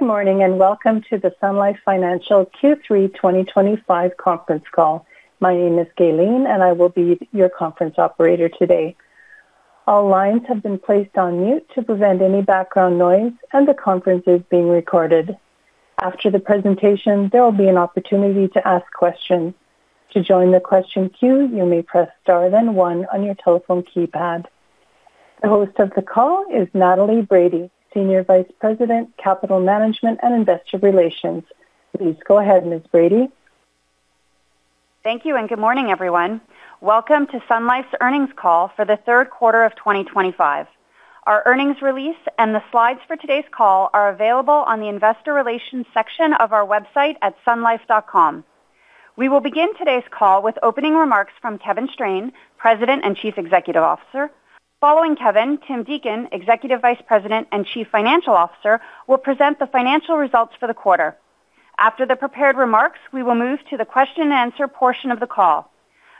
Good morning and welcome to the Sun Life Financial Q3 2025 conference call. My name is Gaylene and I will be your conference operator today. All lines have been placed on mute to prevent any background noise and the conference is being recorded. After the presentation there will be an opportunity to ask questions. To join the question queue you may press star then one on your telephone keypad. The host of the call is Natalie Brady, Senior Vice President, Capital Management and Investor Relations. Please go ahead Ms. Brady. Thank you and good morning everyone. Welcome to Sun Life's earnings call for the third quarter of 2025. Our earnings release and the slides for today's call are available on the investor relations section of our website at sunlife.com. We will begin today's call with opening remarks from Kevin Strain, President and Chief Executive Officer. Following Kevin, Tim Deacon, Executive Vice President and Chief Financial Officer, will present the financial results for the quarter. After the prepared remarks, we will move to the question and answer portion of the call.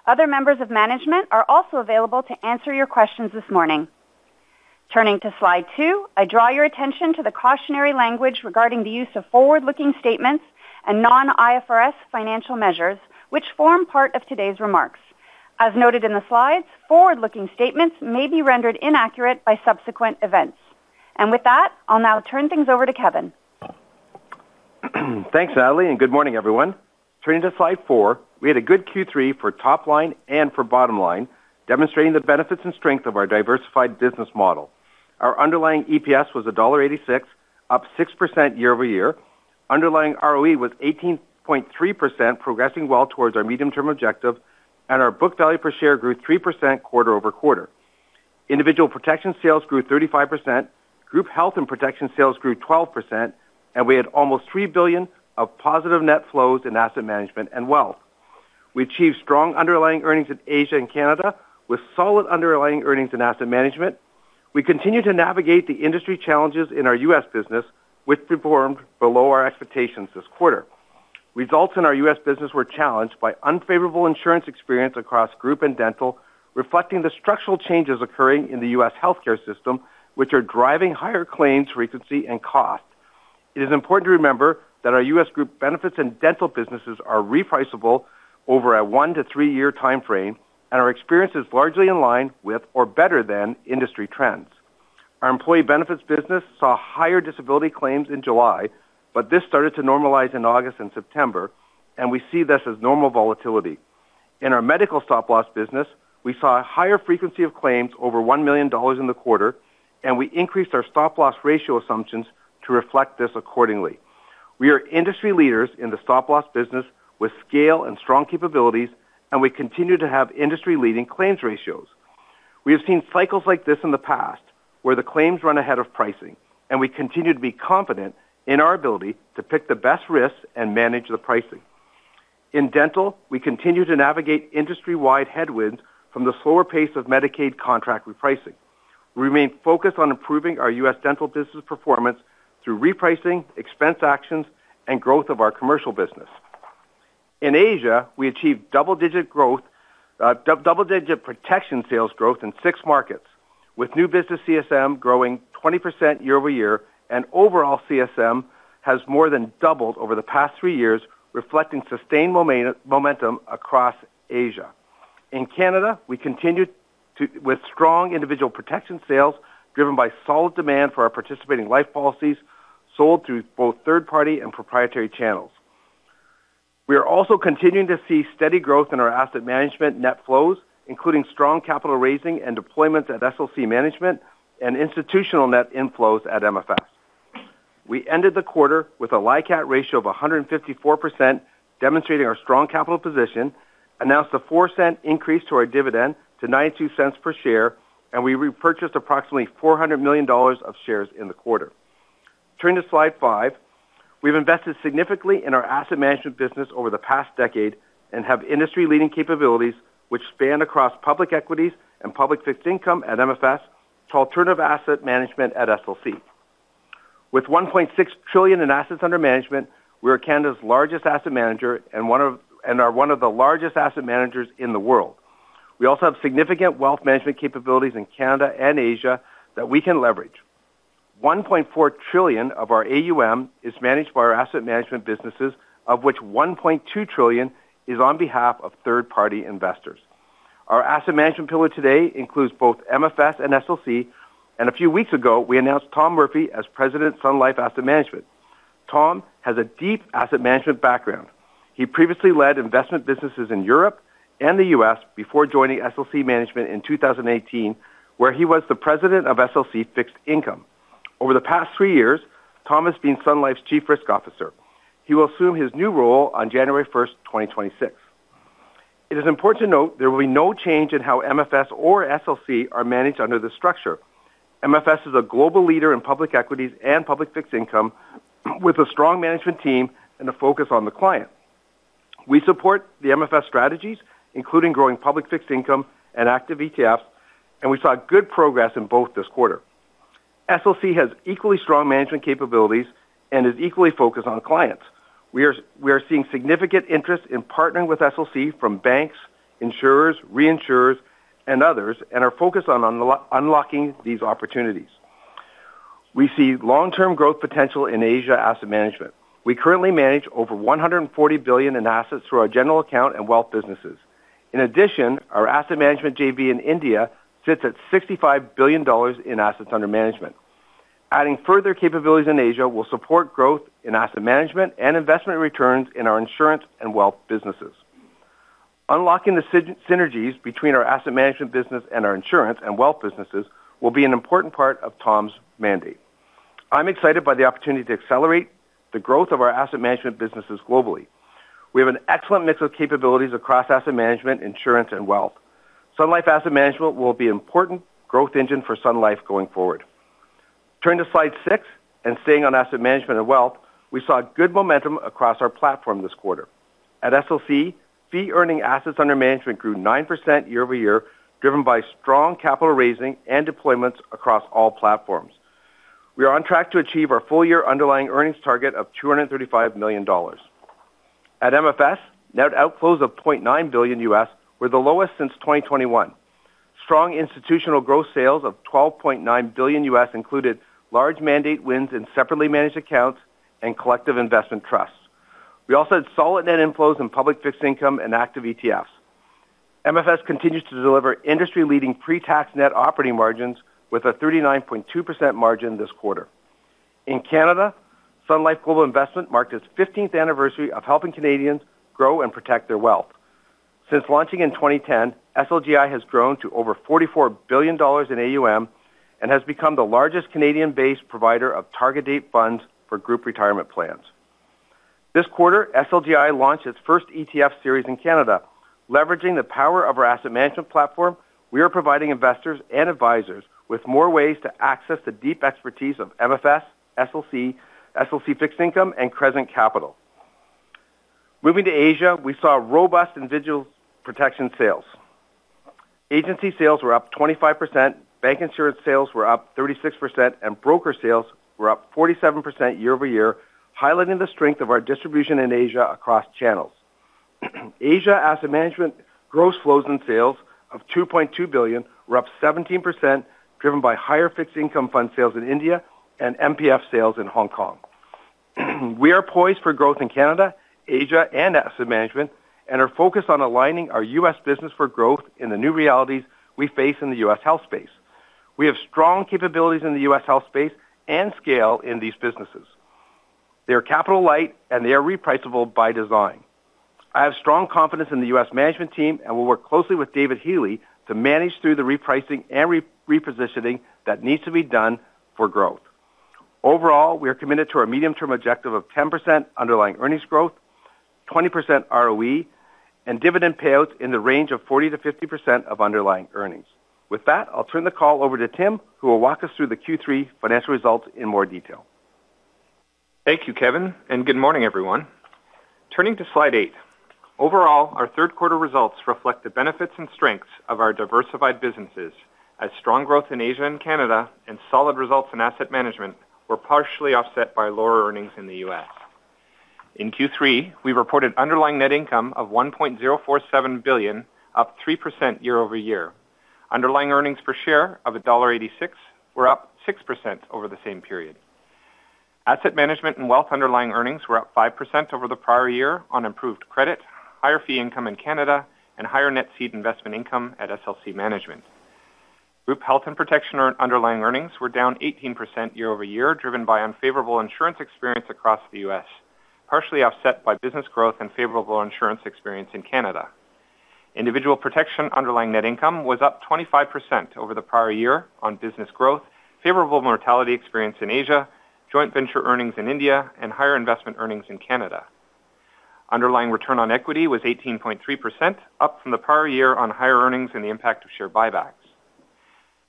Other members of management are also available to answer your questions this morning. Turning to slide two, I draw your attention to the cautionary language regarding the use of forward-looking statements and non-IFRS financial measures which form part of today's remarks. As noted in the slides, forward looking statements may be rendered inaccurate by subsequent events and with that I'll now turn things over to Kevin. Thanks Natalie and good morning everyone. Turning to slide four. We had a good Q3 for top line and for bottom line, demonstrating the benefits and strength of our diversified business model. Our underlying EPS was dollar 1.86, up 6% year-over-year. Underlying ROE was 18.3%, progressing well towards our medium term objective, and our book value per share grew 3% quarter-over-quarter. Individual protection sales grew 35%, group health and protection sales grew 12%, and we had almost 3 billion of positive net flows in asset management and wealth. We achieved strong underlying earnings in Asia and Canada with solid underlying earnings in asset management. We continue to navigate the industry challenges in our U.S. business, which performed below our expectations this quarter. Results in our U.S. business were challenged by unfavorable insurance experience across group and dental reflecting the structural changes occurring in the U.S. health care system which are driving higher claims frequency and cost. It is important to remember that our U.S. group benefits and dental businesses are repricable over a one- to three-year time frame and our experience is largely in line with or better than industry trends. Our employee benefits business saw higher disability claims in July but this started to normalize in August and September and we see this as normal volatility. In our medical stop loss business we saw a higher frequency of claims over 1 million dollars in the quarter and we increased our stop loss ratio assumptions to reflect this accordingly. We are industry leaders in the stop loss business with scale and strong capabilities and we continue to have industry-leading claims ratios. We have seen cycles like this in the past where the claims run ahead of pricing and we continue to be confident in our ability to pick the best risks and manage the pricing. In dental, we continue to navigate industry-wide headwinds from the slower pace of Medicaid contract repricing. We remain focused on improving our U.S. dental business performance through repricing, expense actions, and growth of our commercial business. In Asia we achieved double-digit protection sales growth in six markets with new business CSM growing 20% year-over-year and overall CSM has more than doubled over the past three years, reflecting sustained momentum across Asia. In Canada we continue with strong individual protection sales driven by solid demand for our participating life policies sold through both third-party and proprietary channels. We are also continuing to see steady growth in our asset management net flows including strong capital raising and deployments at SLC Management and institutional net inflows at MFS. We ended the quarter with a LICAT ratio of 154% demonstrating our strong capital position. Announced a 0.04 increase to our dividend to 0.92 per share and we repurchased approximately 400 million dollars of shares in the quarter. Turning to slide five, we've invested significantly in our asset management business over the past decade and have industry-leading capabilities which span across public equities and public fixed income at MFS to alternative asset management at SLC. With 1.6 trillion in assets under management, we are Canada's largest asset manager and are one of the largest asset managers in the world. We also have significant wealth management capabilities in Canada and Asia that we can leverage. 1.4 trillion of our AUM is managed by our asset management businesses, of which 1.2 trillion is on behalf of third party investors. Our asset management pillar today includes both MFS and SLC, and a few weeks ago we announced Tom Murphy as President, Sun Life Asset Management. Tom has a deep asset management background. He previously led investment businesses in Europe and the U.S. before joining SLC Management in 2018, where he was the President of SLC Fixed Income. Over the past three years, Tom has been Sun Life's Chief Risk Officer. He will assume his new role on January 1st, 2026. It is important to note there will be no change in how MFS or SLC are managed under the structure. MFS is a global leader in public equities and public fixed income with a strong management team and a focus on the client. We support the MFS strategies and including growing public fixed income and active ETFs and we saw good progress in both this quarter. SLC has equally strong management capabilities and is equally focused on clients. We are seeing significant interest in partnering with SLC from banks, insurers, reinsurers and others and are focused on unlocking these opportunities. We see long term growth potential in Asia Asset Management. We currently manage over 140 billion in assets through our general account and wealth businesses. In addition, our asset management JV in India sits at 65 billion dollars in assets under management. Adding further capabilities in Asia will support growth in asset management and investment returns in our insurance and wealth businesses. Unlocking the synergies between our asset management business and our insurance and wealth businesses will be an important part of Tom's mandate. I'm excited by the opportunity to accelerate the growth of our asset management businesses globally. We have an excellent mix of capabilities across asset management, insurance and wealth. Sun Life Asset Management will be an important growth engine for Sun Life going forward. Turning to slide six and staying on asset management and wealth, we saw good momentum across our platform this quarter. At SLC, fee earning assets under management grew 9% year-over-year, driven by strong capital raising and deployments across all platforms. We are on track to achieve our full year underlying earnings target of 235 million dollars. At MFS, net outflows of $0.9 billion were the lowest since 2021. Strong institutional gross sales of $12.9 billion included large mandate wins in separately managed accounts and collective investment trusts. We also had solid net inflows in public fixed income and active ETFs. MFS continues to deliver industry leading pre-tax net operating margins with a 39.2% margin this quarter. In Canada, Sun Life Global Investments marked its 15th anniversary of helping Canadians grow and protect their wealth. Since launching in 2010, SLGI has grown to over 44 billion dollars in AUM and has become the largest Canadian-based provider of target date funds for group retirement plans. This quarter SLGI launched its first ETF series in Canada. Leveraging the power of our asset management platform, we are providing investors and advisors with more ways to access the deep expertise of MFS, SLC, fixed income, and Crescent Capital. Moving to Asia, we saw robust individual protection sales. Agency sales were up 25%. Bank insurance sales were up 36% and broker sales were up 47% year-over-year, highlighting the strength of our distribution in Asia across channels. Asia Asset Management gross flows in sales of 2.2 billion were up 17% driven by higher fixed income fund sales in India and MPF sales in Hong Kong. We are poised for growth in Canada, Asia and Asset Management and are focused on aligning our U.S. business for growth in the new realities we face in the U.S. health space. We have strong capabilities in the U.S. health space and scale in these businesses. They are capital light and they are repriceable by design. I have strong confidence in the U.S. management team and will work closely with David Healy to manage through the repricing and repositioning that needs to be done for growth. Overall, we are committed to our medium term objective of 10% underlying earnings growth, 20% ROE and dividend payouts in the range of 40%-50% of underlying earnings. With that, I'll turn the call over to Tim who will walk us through the Q3 financial results in more detail. Thank you Kevin and good morning everyone. Turning to slide eight, overall, our third quarter results reflect the benefits and strengths of our diversified businesses as strong growth in Asia and Canada and solid results in asset management were partially offset by lower earnings in the U.S. In Q3, we reported underlying net income of 1.047 billion, up 3% year-over-year. Underlying earnings per share of dollar 1.86 were up 6% over the same period. Asset management and wealth underlying earnings were up 5% over the prior year on improved credit, higher fee income in Canada, and higher net seed investment income at SLC Management. Health and protection underlying earnings were down 18% year-over-year, driven by unfavorable insurance experience across the U.S., partially offset by business growth and favorable insurance experience in Canada. Individual protection underlying net income was up 25% over the prior year on business growth, favorable mortality experience in Asia, joint venture earnings in India, and higher investment earnings in Canada. Underlying return on equity was 18.3%, up from the prior year on higher earnings and the impact of share buybacks.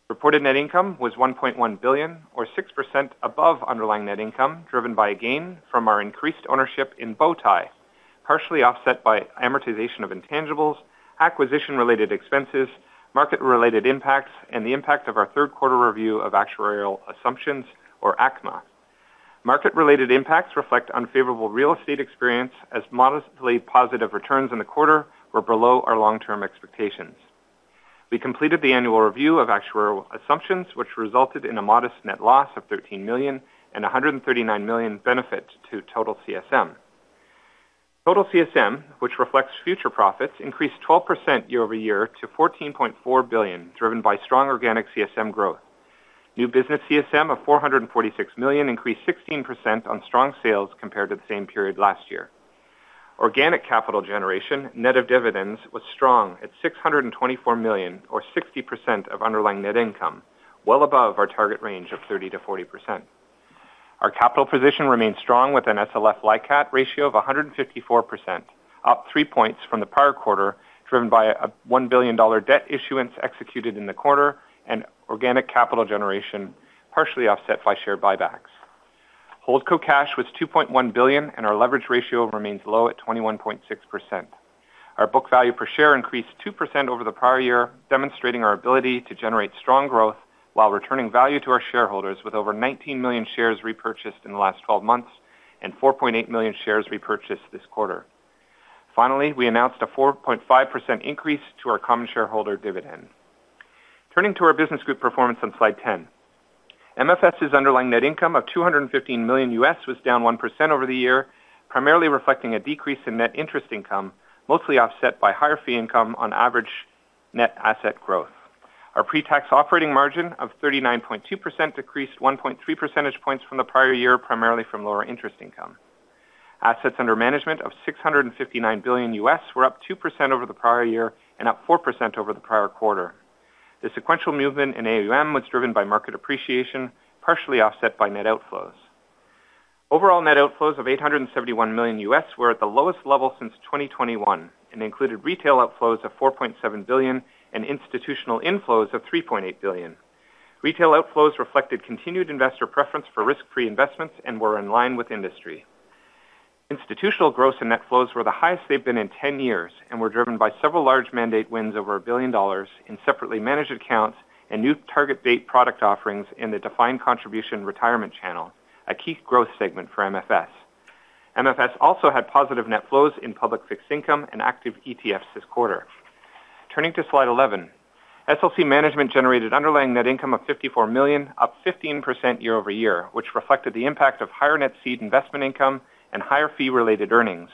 Reported net income was 1.1 billion, or 6% above underlying net income, driven by a gain from our increased ownership in Bowtie, partially offset by amortization of intangibles and acquisition related expenses. Market related impacts and the impact of our third quarter review of actuarial assumptions, or ACMA. Market related impacts reflect unfavorable real estate experience, as modestly positive returns in the quarter were below our long term expectations. We completed the annual review of actuarial assumptions, which resulted in a modest net loss of 13 million and a 139 million benefit to total CSM. Total CSM, which reflects future profits, increased 12% year-over-year to 14.4 billion driven by strong organic CSM growth. New business CSM of 446 million increased 16% on strong sales compared to the same period last year. Organic capital generation net of dividends was strong at 624 million or 60% of underlying net income, well above our target range of 30%-40%. Our capital position remains strong with an SLF LICAT ratio of 154% up 3 percentage points from the prior quarter driven by a 1 billion dollar debt issuance executed in the quarter and organic capital generation partially offset by share buybacks. Holdco cash was 2.1 billion and our leverage ratio remains low at 21.6%. Our book value per share increased 2% over the prior year, demonstrating our ability to generate strong growth while returning value to our shareholders with over 19 million shares repurchased in the last 12 months and 4.8 million shares repurchased this quarter. Finally, we announced a 4.5% increase to our common shareholder dividend. Turning to our business group performance on slide 10, MFS's underlying net income of $215 million was down 1% over the year, primarily reflecting a decrease in net interest income, mostly offset by higher fee income. On average net asset growth, our pre-tax operating margin of 39.2% decreased 1.3 percentage points from the prior year, primarily from lower interest income. Assets under management of $659 billion were up 2% over the prior year and up 4% over the prior quarter. The sequential movement in AUM was driven by market appreciation, partially offset by net outflows. Overall net outflows of $871 million were at the lowest level since 2021 and included retail outflows of 4.7 billion and institutional inflows of 3.8 billion. Retail outflows reflected continued investor preference for risk free investments and were in line with industry. Institutional gross and net flows were the highest they have been in 10 years and were driven by several large mandate wins over 1 billion dollars in separately managed accounts and new target date product offerings in the defined contribution retirement channel, a key growth segment for MFS. MFS also had positive net flows in public fixed income and active ETFs this quarter. Turning to slide 11, SLC Management generated underlying net income of 54 million, up 15% year-over-year, which reflected the impact of higher net seed investment income and higher fee related earnings.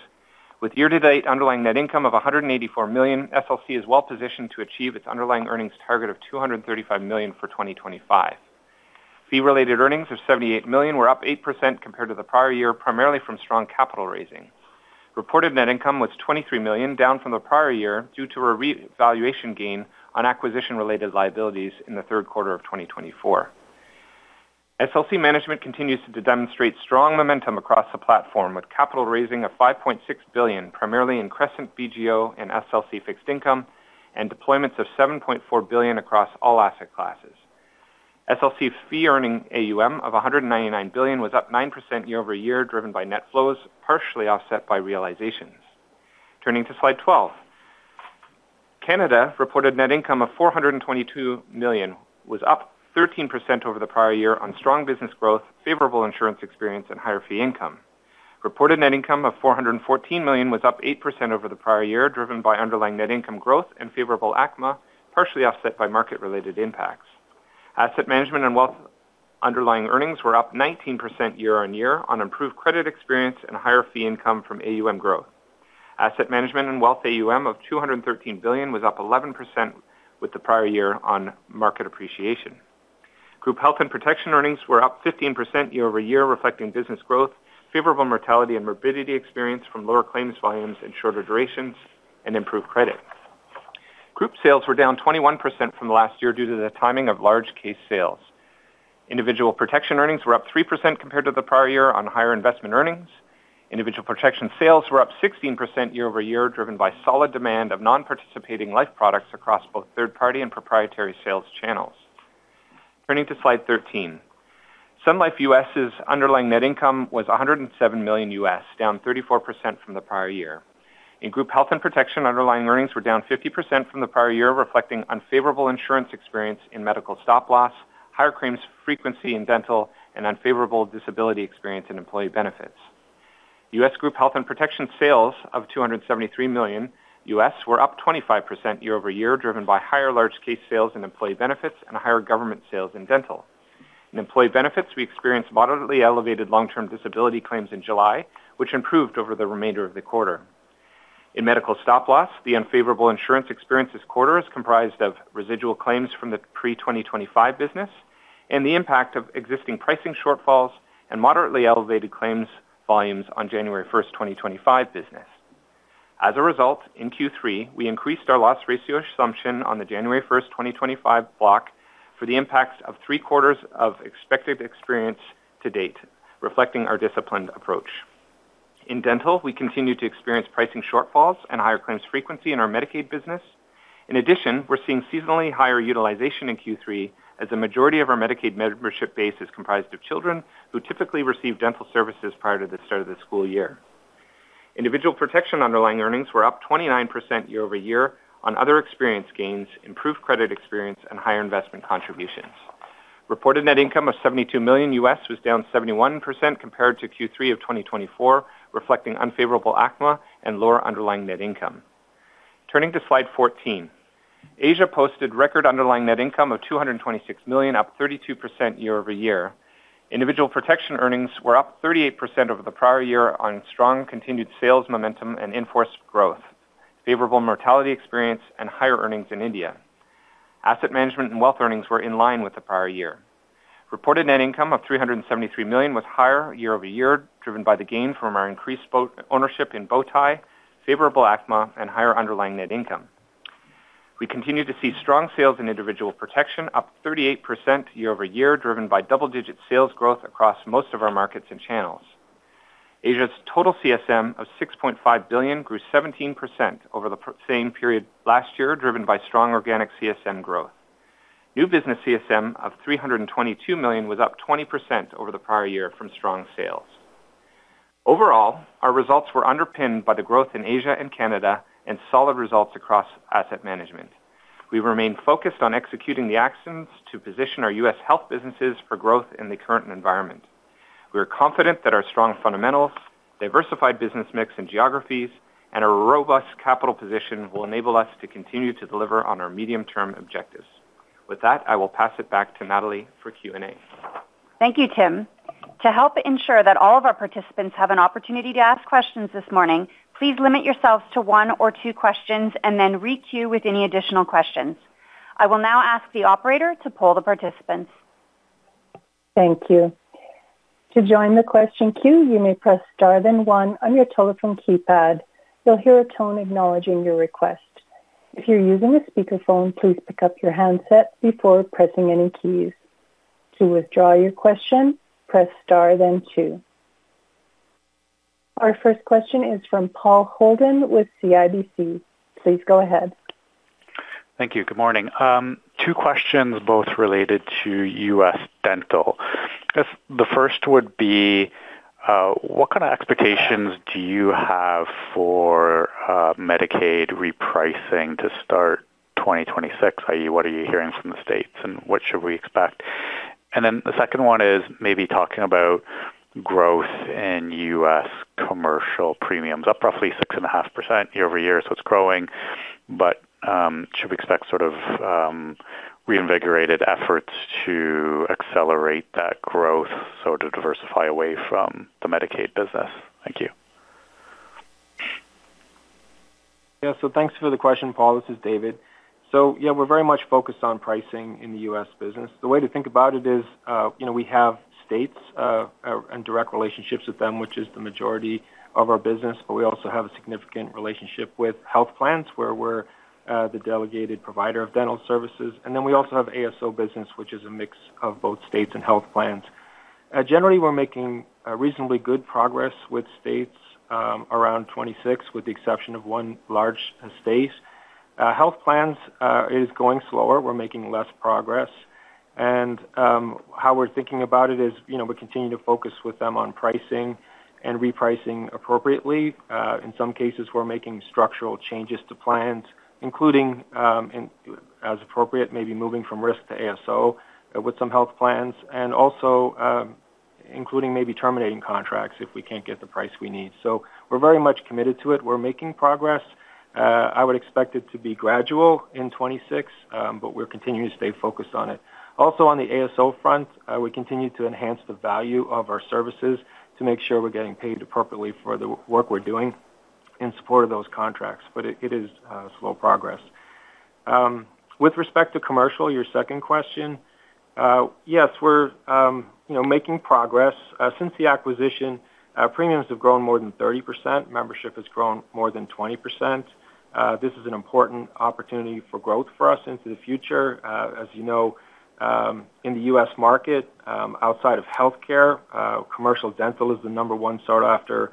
With year to date underlying net income of 184 million, SLC is well positioned to achieve its underlying earnings target of 235 million for 2025. Fee related earnings of 78 million were up 8% compared to the prior year, primarily from strong capital raising. Reported net income was 23 million, down from the prior year due to a revaluation gain on acquisition related liabilities in the third quarter of 2024. SLC Management continues to demonstrate strong momentum across the platform with capital raising of 5.6 billion, primarily in Crescent, BGO, and SLC fixed income, and deployments of 7.4 billion across all asset classes. SLC fee earning AUM of 199 billion was up 9% year-over-year driven by net flows partially offset by realizations. Turning to slide 12, Canada reported net income of 422 million was up 13% over the prior year on strong business growth, favorable insurance experience and higher fee income. Reported net income of 414 million was up 8% over the prior year driven by underlying net income growth and favorable ACMA partially offset by market related impacts. Asset management and wealth underlying earnings were up 19% year on year on improved credit experience and higher fee income from AUM growth. Asset management and wealth AUM of 213 billion was up 11% with the prior year on market appreciation. Group health and protection earnings were up 15% year-over-year reflecting business growth, favorable mortality and morbidity experienced from lower claims volumes and shorter durations and improved credit. Group sales were down 21% from last year due to the timing of large case sales. Individual protection earnings were up 3% compared to the prior year on higher investment earnings. Individual protection sales were up 16% year-over-year driven by solid demand of non participating life products across both third party and proprietary sales channels. Turning to slide 13, Sun Life U.S.'s underlying net income was $107 million down 34% from the prior year in group health and protection. Underlying earnings were down 50% from the prior year reflecting unfavorable insurance experience in medical stop loss, higher claims frequency in dental and unfavorable disability experience in employee benefits. U.S. group health and protection sales of $273 million were up 25% year-over-year driven by higher large case sales in employee benefits and higher government sales in dental. In employee benefits we experienced moderately elevated long term disability claims in July, which improved over the remainder of the quarter. In medical stop loss, the unfavorable insurance experience this quarter is comprised of residual claims from the pre-2025 business and the impact of existing pricing shortfalls and moderately elevated claims volumes on January 1st, 2025 business. As a result, in Q3 we increased our loss ratio assumption on the January 1st, 2025 block and for the impacts of three-quarters of expected experience to date. Reflecting our disciplined approach, in dental we continue to experience pricing shortfalls and higher claims frequency in our Medicaid business. In addition, we're seeing seasonally higher utilization in Q3 as a majority of our Medicaid membership base is comprised of children who typically receive dental services prior to the start of the school year. Individual protection underlying earnings were up 29% year-over-year on other experience gains, improved credit experience and higher investment contributions. Reported net income of $72 million was down 71% compared to Q3 of 2024, reflecting unfavorable ACMA and lower underlying net income. Turning to slide 14, Asia posted record underlying net income of 226 million, up 32% year-over-year. Individual protection earnings were up 38% over the prior year on strong continued sales momentum and in force growth, favorable mortality experience and higher earnings. In India, asset management and wealth earnings were in line with the prior year. Reported net income of 373 million was higher year-over-year driven by the gain from our increased ownership in Bowtie, favorable ACMA and higher underlying net income. We continue to see strong sales in individual protection, up 38% year-over-year, driven by double-digit sales growth across most of our markets and channels. Asia's total CSM of 6.5 billion grew 17% over the same period last year, driven by strong organic CSM growth. New business CSM of 322 million was up 20% over the prior year from strong sales overall. Our results were underpinned by the growth in Asia and Canada and solid results across asset management. We remain focused on executing the actions to position our U.S. health businesses for growth in the current environment. We are confident that our strong fundamentals, diversified business mix and geographies, and a robust capital position will enable us to continue to deliver on our medium-term objectives. With that, I will pass it back to Natalie for Q and A. Thank you, Tim. To help ensure that all of our participants have an opportunity to ask questions this morning, please limit yourselves to one or two questions and then requeue with any additional questions. I will now ask the operator to poll the participants. Thank you. To join the question queue you may press star then one on your telephone keypad. You'll hear a tone acknowledging your request. If you're using a speakerphone, please pick up your handset before pressing any keys. To withdraw your question, press star then two. Our first question is from Paul Holden with CIBC. Please go ahead. Thank you. Good morning. Two questions, both related to U.S. dental. The first would be what kind of expectations do you have for Medicaid repricing to start 2026? That is, what are you hearing from the states and what should we expect? The second one is maybe talking about growth in U.S. commercial premiums up roughly 6.5% year-over-year. It's growing. But should we expect sort of reinvigorated? Efforts to accelerate that growth, so to. Diversify away from the Medicaid business? Thank you. Yeah, so thanks for the question. Paul, this is David. Yeah, we're very much focused on pricing in the U.S. business. The way to think about it is, you know, we have states and direct relationships with them, which is the majority of our business. We also have a significant relationship with health plans where we're the delegated provider of dental services. Then we also have ASO business, which is a mix of both states and health plans. Generally, we're making reasonably good progress with states around 26, with the exception of one large state. Health plans is going slower. We're making less progress. How we're thinking about it is, you know, we continue to focus with them on pricing and repricing appropriately. In some cases, we're making structural changes to plans, including as appropriate, maybe moving from risk to ASO with some health plans and also including maybe terminating contracts if we can't get the price we need. We are very much committed to it. We're making progress. I would expect it to be gradual in 2026, but we're continuing to stay focused on it. Also on the ASO front, we continue to enhance the value of our services to make sure we're getting paid appropriately for the work we're doing in support of those contracts. It is slow progress with respect to commercial. Your second question. Yes, we're making progress. Since the acquisition, premiums have grown more than 30%, membership has grown more than 20%. This is an important opportunity for growth for us into the future. As you know, in the U.S. market outside of health care, commercial dental is the number one sought after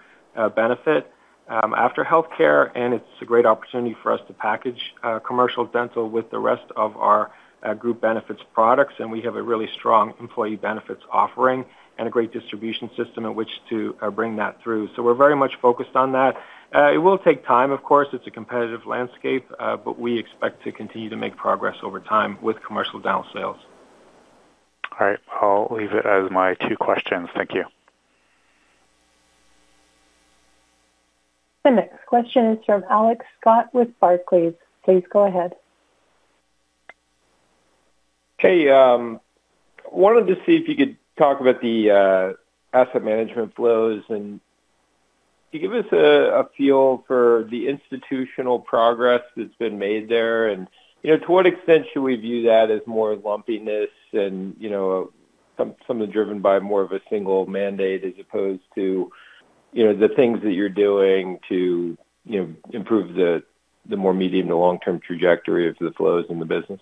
benefit after health care. It is a great opportunity for us to package commercial dental with the rest of our group benefits products. We have a really strong employee benefits offering and a great distribution system at which to bring that through. We are very much focused on that. It will take time, of course, it is a competitive landscape, but we expect to continue to make progress over time with commercial dental sales. All right, I'll leave it as my two questions. Thank you. The next question is from Alex Scott with Barclays. Please go ahead. Hey, wanted to see if you could talk about the asset management flows and give us a feel for the institutional progress that's been made there. To what extent should we view that as more lumpiness and something driven by more of a single mandate as opposed to the things that you're doing to improve the more medium to long term trajectory of the flows in the business?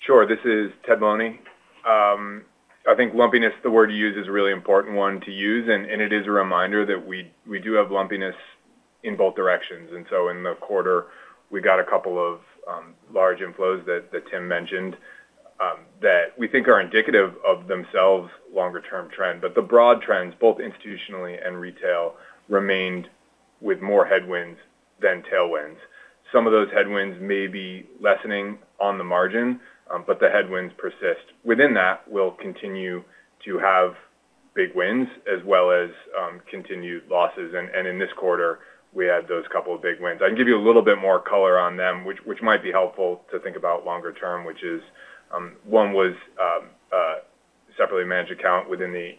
Sure. This is Ted Maloney. I think lumpiness, the word you use, is a really important one to use and it is a reminder that we do have lumpiness in both directions. In the quarter we got a couple of large inflows that Tim mentioned that we think are indicative of themselves longer term trend. The broad trends, both institutionally and retail, remained with more headwinds than tailwinds. Some of those headwinds may be lessening on the margin, but the headwinds persist within that. We'll continue to have big wins as well as continued losses. In this quarter we had those couple of big wins. I can give you a little bit. More color on them, which might be helpful to think about longer term, which is one was separately managed account within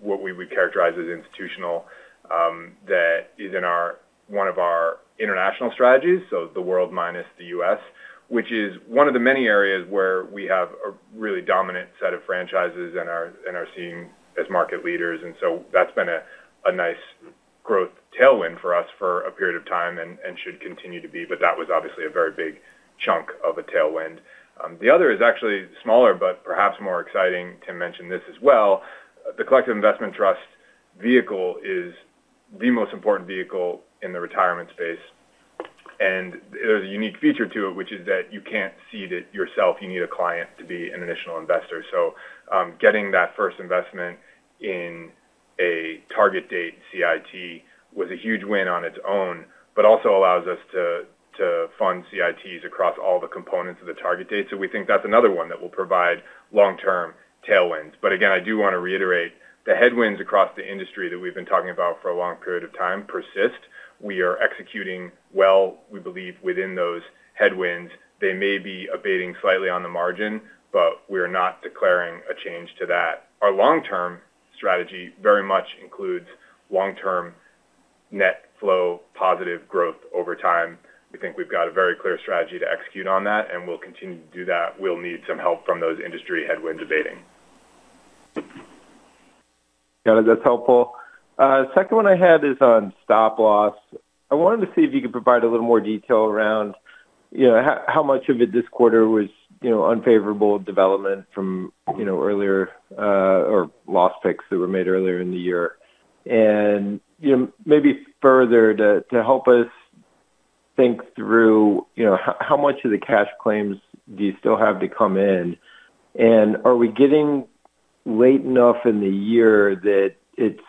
what we would characterize as institutional, that is in one of our international strategies. The world minus the U.S., which is one of the many areas where we have a really dominant set of franchises and are seen as market leaders. That has been a nice growth tailwind for us for a period of time and should continue to be. That was obviously a very big chunk of a tailwind. The other is actually smaller but perhaps more exciting. Tim mentioned this as well. The collective investment trust vehicle is the most important vehicle in the retirement space. There is a unique feature to it, which is that you cannot seed it yourself. You need a client to be an initial investor. Getting that first investment in a target date CIT was a huge win on its own, but also allows us to fund CITs across all the components of the target date. We think that's another one that will provide long term tailwinds. I do want to reiterate the headwinds across the industry that we've been talking about for a long period of time persist. We are executing well. We believe within those headwinds they may be abating slightly on the margin, but we are not declaring a change to that. Our long term strategy very much includes long term net flow positive growth over time. We think we've got a very clear strategy to execute on that and we'll continue to do that. We'll need some help from those industry headwinds abating. Got it. That's helpful. Second one I had is on stop loss. I wanted to see if you could provide a little more detail around how much of it this quarter was unfavorable. Development from earlier or loss picks that were made earlier in the year. Maybe further to help us think through how much of the cash claims do you still have to come in and are we getting late enough in the year that it's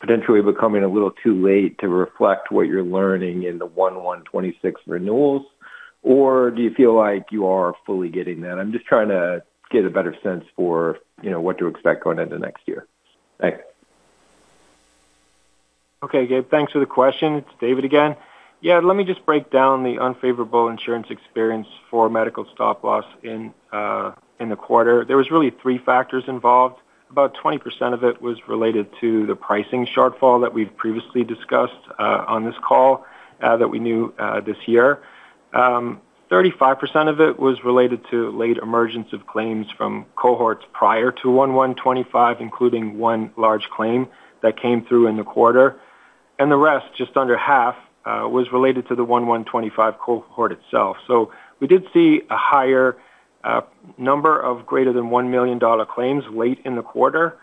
potentially becoming a little too late to reflect what you're learning in the 01/01/2026 renewals or do you feel like you are fully getting that? I'm just trying to get a better. Sense for what to expect going into next year. Thanks. Okay, thanks for the question. It's David again. Yeah, let me just break down the unfavorable insurance experience for medical stop loss in the quarter. There were really three factors involved. About 20% of it was related to the pricing shortfall that we've previously discussed on this call that we knew this year. 35% of it was related to late emergence of claims from cohorts prior to 01/01/2025, including one large claim that came through in the quarter, and the rest, just under half, was related to the 01/01/2025 cohort itself. We did see a higher number of greater than 1 million dollar claims late in the quarter.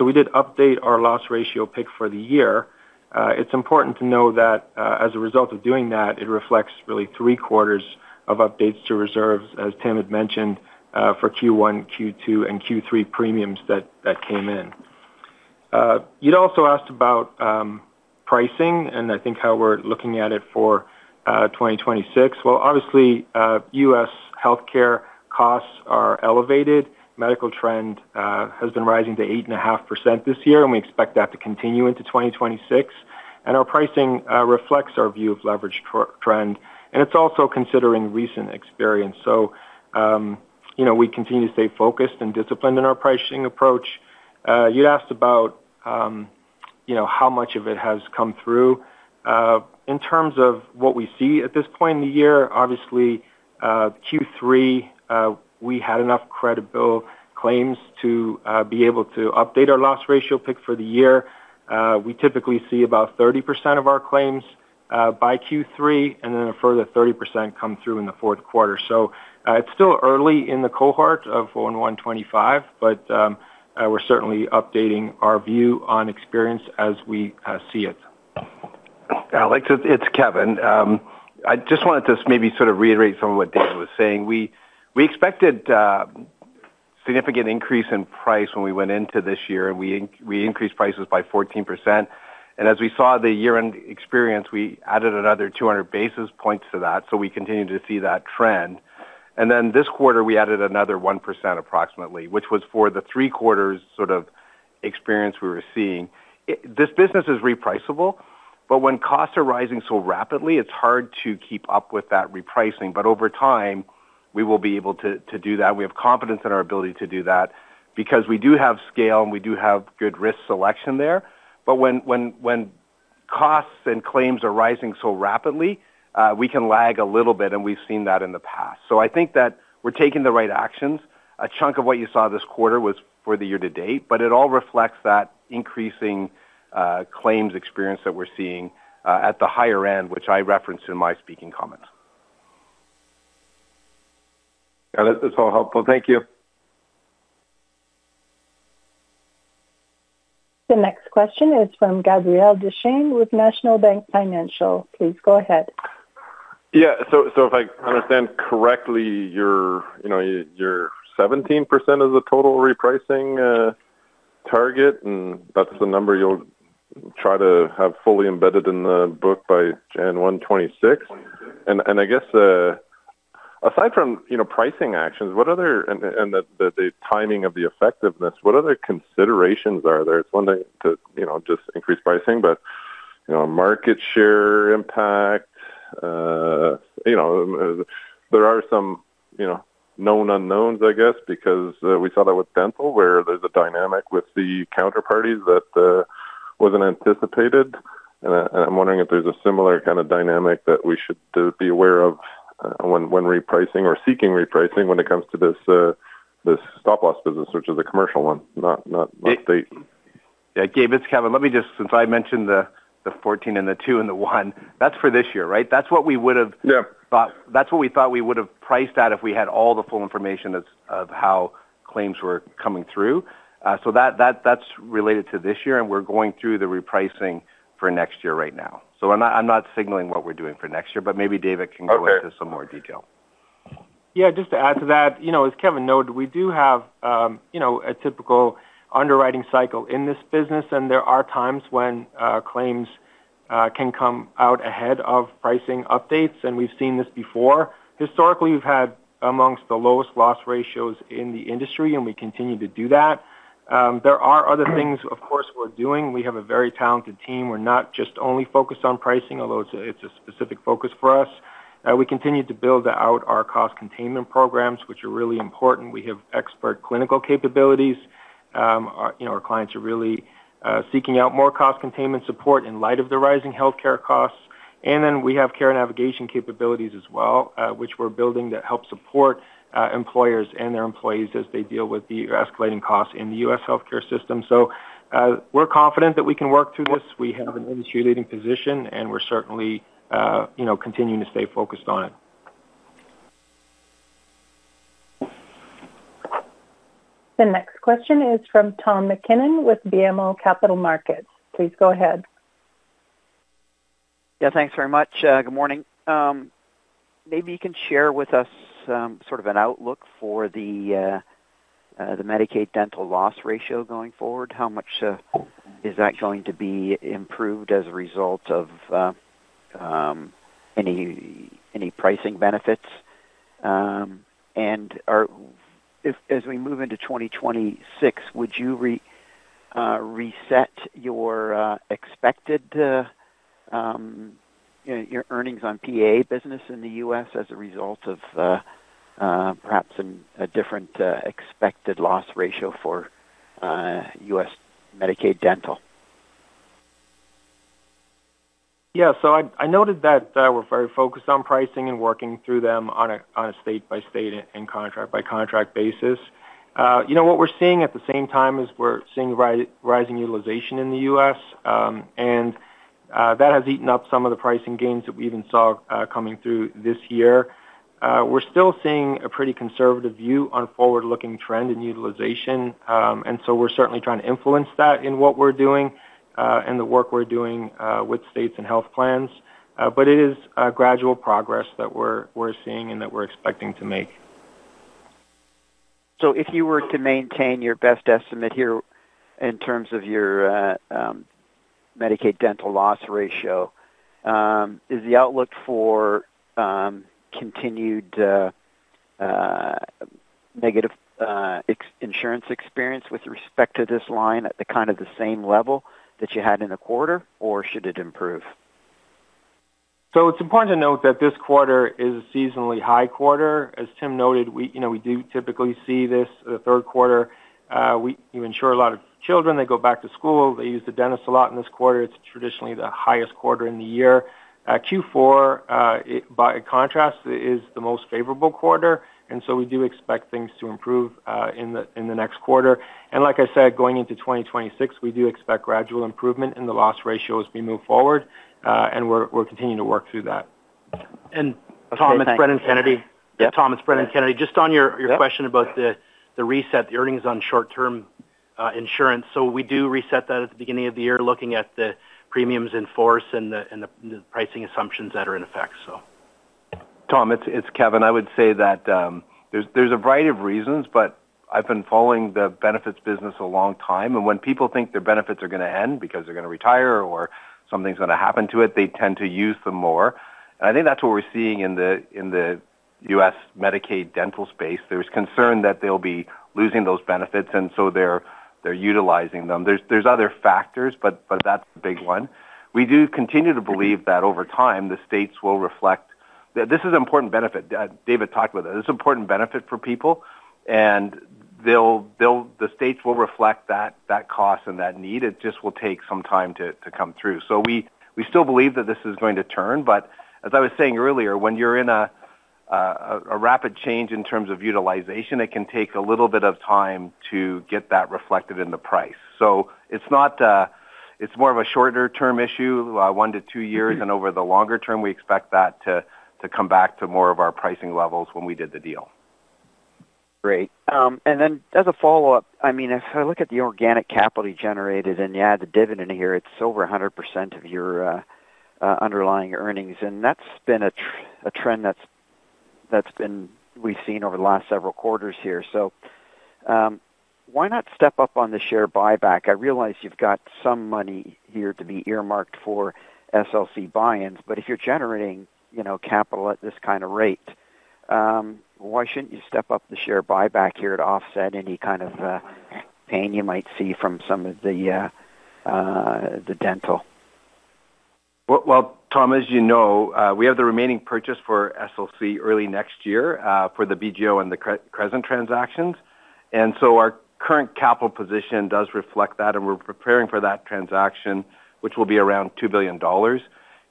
We did update our loss ratio pick for the year. It's important to know that as a result of doing that it reflects really three-quarters of updates to reserves as Tim had mentioned for Q1, Q2, and Q3 premiums that came in. You'd also asked about pricing and I think how we're looking at it for 2026. U.S. health care costs are elevated. Medical trend has been rising to 8.5% this year and we expect that to continue into 2026. Our pricing reflects our view of leverage trend and it's also considering recent experience. You know, we continue to stay focused and disciplined in our pricing approach. You asked about how much of it has come through in terms of what we see at this point in the year. Q3 we had enough credible claims to be able to update our loss ratio pick for the year. We typically see about 30% of our claims by Q3 and then a further 30% come through in the fourth quarter. It is still early in the cohort of 01/01/2025 but we are certainly updating our view on experience as we see it. Alex, it's Kevin. I just wanted to maybe sort of reiterate some of what David was saying. We expected significant increase in price when we went into this year and we increased prices by 14% and as we saw the year end experience we added another 200 basis points to that. We continue to see that trend. This quarter we added another 1% approximately, which was for the three-quarters sort of experience we were seeing. This business is repricable but when costs are rising so rapidly it's hard to keep up with that repricing. Over time we will be able to do that. We have confidence in our ability to do that because we do have scale and we do have good risk selection there. When costs and claims are rising so rapidly we can lag a little bit and we've seen that in the past. I think that we're taking the right actions. A chunk of what you saw this quarter was for the year to date but it all reflects that increasing claims experience that we're seeing at the higher end, which I referenced in my speaking comments. It's all helpful, thank you. The next question is from Gabriel Dechaine with National Bank Financial. Please go ahead. Yeah, so if I understand correctly, you're, you know, you're 17% of the total repricing target and that's the number you'll try to have fully embedded in the book by January 1, 2026. I guess aside from, you know, pricing actions, what other and the timing of the effectiveness, what other considerations are there? It's one thing to, you know, just increase pricing, but you know, market share. Impact. You know, there are some, you know, known unknowns I guess because we saw that with dental where there is a dynamic with the counterparties that was not anticipated. I am wondering if there is a similar kind of dynamic that we should be aware of when repricing or seeking repricing when it comes to this stop loss business, which is a commercial one, not state. Yeah, Gabe, it's Kevin, let me just, since I mentioned the 14% and the 2% and the 1%, that's for this year. Right, that's what we would have thought. That's what we thought we would have priced out if we had all the full information of how claims were coming through. So that's related to this year and we're going through the repricing for next year right now. I'm not signaling what we're doing for next year, but maybe David can go into some more detail. Yeah, just to add to that, you know, as Kevin noted, we do have, you know, a typical underwriting cycle in this business and there are times when claims can come out ahead of pricing updates and we've seen this before. Historically we've had amongst the lowest loss ratios in the industry and we continue to do that. There are other things of course we're doing. We have a very talented team. We're not just only focused on pricing, although it's a specific focus for us. We continue to build out our cost containment programs, which are really important. We have expert clinical capabilities. Our clients are really seeking out more cost containment support in light of the rising healthcare costs. We have care navigation capabilities as well, which we are building that help support employers and their employees as they deal with the escalating costs in the U.S. healthcare system. We are confident that we can work through this. We have an industry leading position and we are certainly continuing to stay focused on it. The next question is from Tom MacKinnon with BMO Capital Markets. Please go ahead. Yeah, thanks very much. Good morning. Maybe you can share with us sort of an outlook for the Medicaid dental loss ratio going forward. How much is that going to be improved as a result of any pricing benefits? As we move into 2026, would you reset your expected earnings on PA business in the U.S. as a result of perhaps a different expected loss ratio for U.S. Medicaid dental? Yeah, so I noted that we're very focused on pricing and working through them on a state by state and contract by contract basis. You know, what we're seeing at the same time is we're seeing rising utilization in the U.S. and that has eaten up some of the pricing gains that we even saw coming through this year. We're still seeing a pretty conservative view on forward looking trend in utilization. You know, we're certainly trying to influence that in what we're doing and the work we're doing with states and health plans. It is gradual progress that we're seeing and that we're expecting to make. If you were to maintain your best estimate here in terms of your Medicaid dental loss ratio, is the outlook for continued negative insurance experience with respect to this line at kind of the same level that you had in the quarter, or should it improve? It's important to note that this quarter is a seasonally high quarter. As Tim noted, we do typically see this the third quarter. We insure a lot of children, they go back to school, they use the dentist a lot in this quarter. It's traditionally the highest quarter in the year. Q4, by contrast, is the most favorable quarter. We do expect things to improve in the next quarter. Like I said, going into 2026, we do expect gradual improvement in the loss ratio as we move forward and we're continuing to work through that. Tom, it's Brennan Kennedy just on your question about the reset, the earnings on short term insurance. We do reset that at the beginning of the year looking at the premiums in force and the pricing assumptions that are in effect. Tom, it's Kevin, I would say that there's a variety of reasons, but I've been following the benefits business a long time and when people think their benefits are going to end because they're going to retire or something's going to happen to it, they tend to use them more. I think that's what we're seeing in the U.S. Medicaid dental space. There's concern that they'll be losing those benefits and so they're utilizing them. There are other factors, but that's a big one. We do continue to believe that over time the states will reflect this is an important benefit. David talked about this important benefit for people and the states will reflect that cost and that need. It just will take some time to come through. We still believe that this is going to turn. As I was saying earlier, when you're in a rapid change in terms of utilization, it can take a little bit of time to get that reflected in the price. It's not, it's more of a shorter term issue, one to two years. Over the longer term, we expect that to come back to more of our pricing levels when we did the deal. Great. As a follow up, I mean if I look at the organic capital you generated and you add the dividend here, it is over 100% of your underlying earnings. That has been a trend that we have seen over the last several quarters here. Why not step up on the share buyback? I realize you have some money here to be earmarked for SLC buy ins. If you are generating capital at this kind of rate, why should you not step up the share buyback here to offset any kind of pain you might see from some of the dental? Tom, as you know, we have the remaining purchase for SLC early next year for the BGO and the Crescent transactions. Our current capital position does reflect that. We are preparing for that transaction, which will be around 2 billion dollars.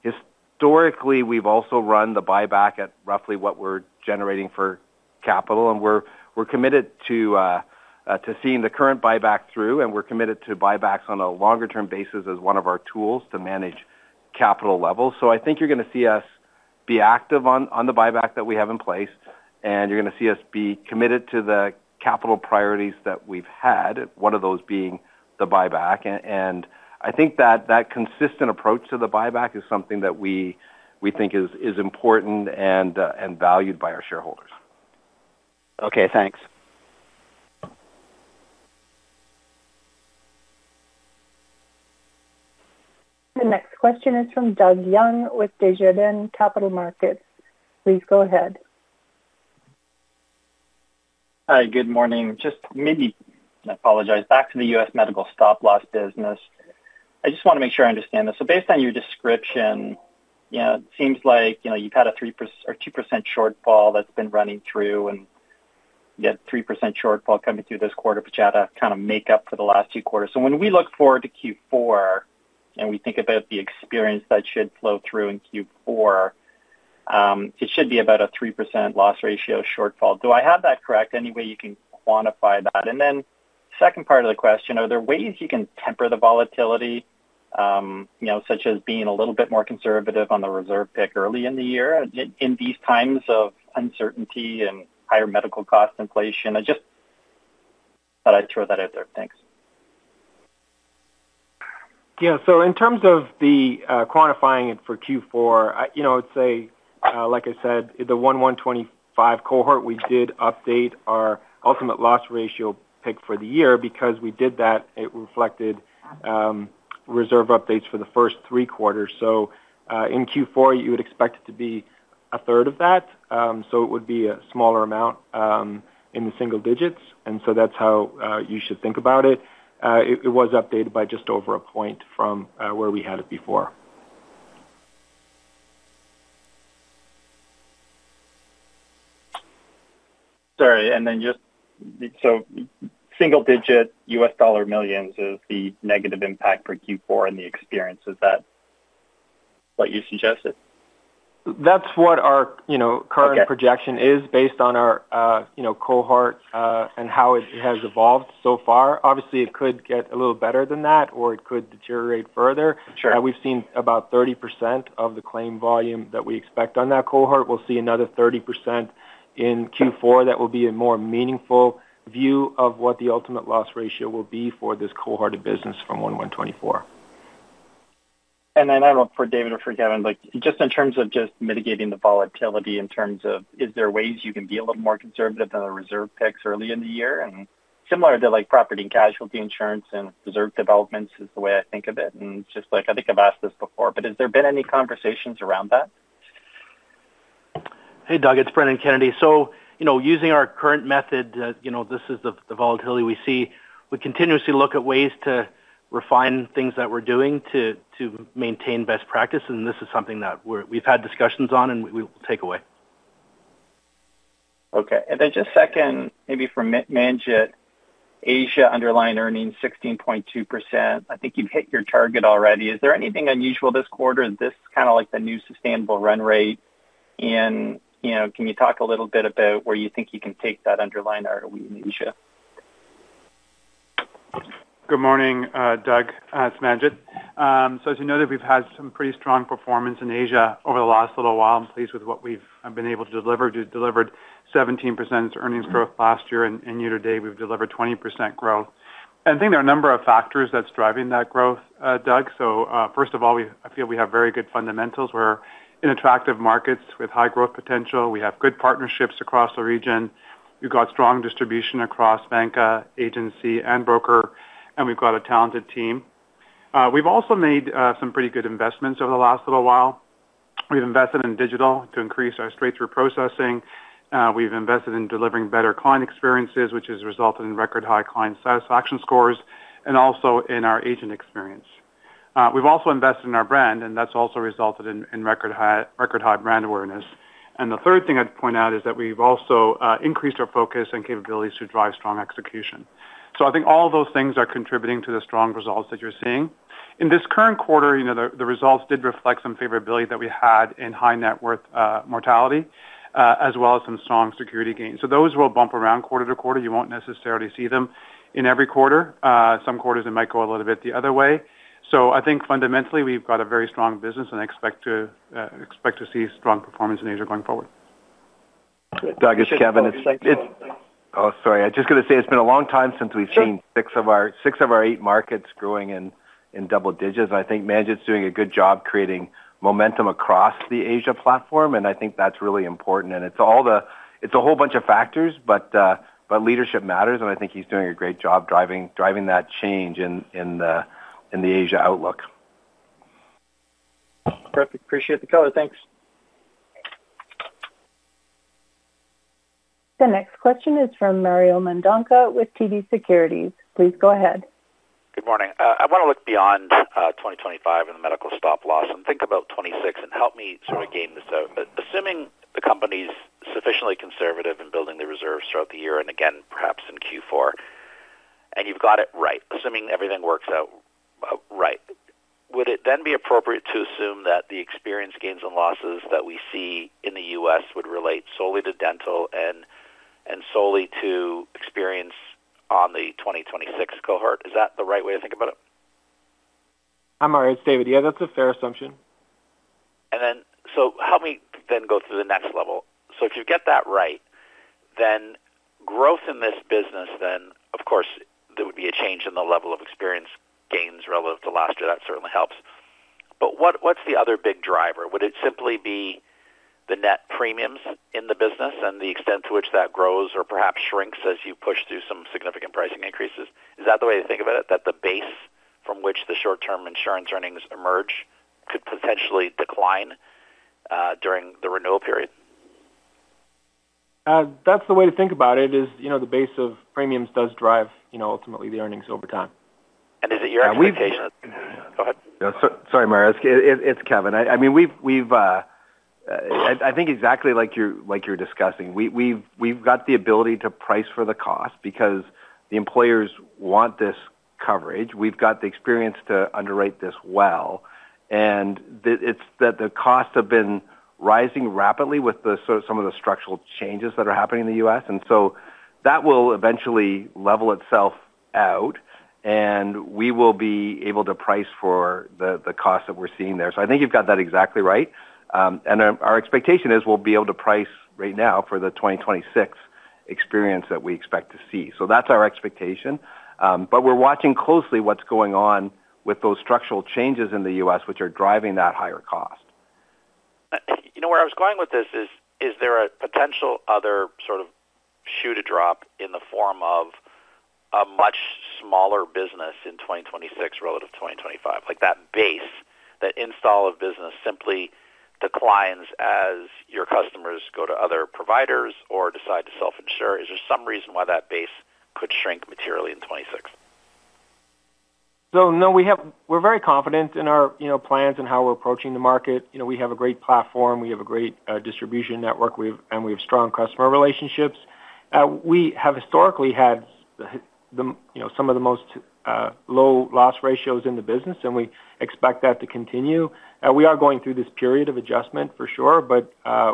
Historically, we have also run the buyback at roughly what we are generating for capital. We are committed to seeing the current buyback through. We are committed to buybacks on a longer term basis as one of our tools to manage capital levels. I think you are going to see us be active on the buyback that we have in place and you are going to see us be committed to the capital priorities that we have had, one of those being the buyback. I think that consistent approach to the buyback is something that we think is important and valued by our shareholders. Okay, thanks. The next question is from Doug Young with Desjardins Capital Markets. Please go ahead. Hi, good morning. Just maybe I apologize back to the U.S. medical stop loss business. I just want to make sure I understand this. So based on your description, it seems like you've had a 2% shortfall that's been running through and yet 3% shortfall coming through this quarter, but you had to kind of make up for the last two quarters. When we look forward to Q4 and we think about the experience that should flow through in Q4, it should be about a 3% loss ratio shortfall. Do I have that correct? Any way you can quantify that? The second part of the question, are there ways you can temper the volatility, such as being a little bit more conservative on the reserve pick early in the year in these times of uncertainty and higher medical cost inflation, I just thought I'd throw that out there. Thanks. Yeah. In terms of quantifying it for Q4, you know, I'd say, like I said, the 01/01/2025 cohort, we did update our ultimate loss ratio pick for the year. Because we did that, it reflected reserve updates for the first three quarters. In Q4 you would expect it to be a third of that. It would be a smaller amount in the single digits. That is how you should think about it. Was updated by just over a point from where we had it. Sorry. Just so single digit U.S. dollar millions is the negative impact for Q4 and the experience. Is that what you suggested? That's what our current projection is based on our cohort and how it has evolved so far. Obviously it could get a little better than that or it could deteriorate further. We've seen about 30% of the claim volume that we expect on that cohort. We'll see another 30% in Q4. That will be a more meaningful view of what the ultimate loss ratio will be for this cohort of business from 01/01/2024. I do not know for David or for Kevin, just in terms of mitigating the volatility, is there a way you can be a little more conservative than the reserve picks early in the year, similar to property and casualty insurance and reserve developments? That is the way I think of it. I think I have asked this before, but has there been any conversations around that? Hey Doug, it is Brennan Kennedy. Using our current method, this is the volatility we see. We continuously look at ways to refine things that we are doing to maintain best practice. This is something that we have had discussions on and we will take away. Okay, and then just second, maybe for Manjit, Asia underlying earnings 16.2%. I think you have hit your target already. Is there anything unusual this quarter? This is kind of like the new sustainable run rate and, you know, can you talk a little bit about where you think you can take that underlying ROE in Asia? Good morning Doug, it's Manjit. As you know, we've had some pretty strong performance in Asia over the last little while. I'm pleased with what we've been able to deliver. Delivered 17% earnings growth last year and year to date we've delivered 20% growth. I think there are a number of factors that's driving that growth, Doug. First of all, we feel we have very good fundamentals. We're in attractive markets with high growth potential. We have good partnerships across the region. We've got strong distribution across banker, agency and broker, and we've got a talented team. We've also made some pretty good investments over the last little while. We've invested in digital to increase our straight through processing. We've invested in delivering better client experiences, which has resulted in record high client satisfaction scores, and also in our agent experience. We've also invested in our brand and that's also resulted in record high brand awareness. The third thing I'd point out is that we've also increased our focus and capabilities to drive strong execution. I think all those things are contributing to the strong results that you're seeing in this current quarter. You know, the results did reflect some favorability that we had in high net worth mortality as well as some strong security gains. Those will bump around quarter to quarter. You won't necessarily see them in every quarter. Some quarters it might go a little bit the other way. I think fundamentally we've got a very strong business and expect to see strong performance in Asia going forward. Doug, it's Kevin. Oh, sorry. I'm just going to say it's been a long time since we've seen six of our eight markets growing in double digits. I think Manjit is doing a good job creating momentum across the Asia platform and I think that's really important. It's a whole bunch of factors but leadership matters and I think he's doing a great job driving that change in the Asia outlook. Perfect. Appreciate the color. Thanks. The next question is from Mario Mendonca with TD Securities. Please go ahead. Good morning. I want to look beyond 2025 and the medical stop loss and think about 2026 and help me sort of game this out. Assuming the company's sufficiently conservative in building the reserves throughout the year and again perhaps in Q4 and you've got it right, assuming everything works out right, would it then be appropriate to assume that the experience gains and losses that we see in the U.S. would relate solely to dental and solely to experience on the 2026 cohort? Is that the right way to think about it? Hi, Mario. It's David. Yeah, that's a fair assumption. Help me then go through the next level. If you get that right, then growth in this business, then of course there would be a change in the level of experience gains relative to last year. That certainly helps. What is the other big driver? Would it simply be the net premiums in the business and the extent to which that grows or perhaps shrinks as you push through some significant pricing increases? Is that the way to think about it, that the base from which the short term insurance earnings emerge could potentially decline during the renewal period? That's the way to think about it is, you know, the base of premiums does drive, you know, ultimately the earnings. Over time and is it your expectation? Go ahead. Sorry, Mario, it's Kevin. I mean, we've, I think exactly like you're discussing. We've got the ability to price for the cost because the employers want this coverage. We've got the experience to underwrite this well, and it's that the costs have been rising rapidly with some of the structural changes that are happening in the U.S., and that will eventually level itself out and we will be able to price for the cost that we're seeing there. I think you've got that exactly right. Our expectation is we'll be able to price right now for the 2026 experience that we expect to see. That's our expectation. We are watching closely what's going on with those structural changes in the U.S. which are driving that higher cost. You know where I was going with this is is there a potential other sort of shoe to drop in the form of a much smaller business in 2026 relative to 2025? Like that base, that install of business, simply declines as your customers go to other providers or decide to self insure. Is there some reason why that base could shrink materially in 2026? No, we have, we're very confident in our plans and how we're approaching the market. We have a great platform, we have a great distribution network, and we have strong customer relationships. We have historically had some of the most low loss ratios in the business, and we expect that to continue. We are going through this period of adjustment for sure, but